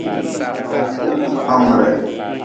Hongre.